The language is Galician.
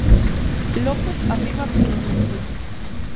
López afirma que se nos mentiu.